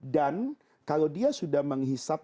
dan kalau dia sudah menghisap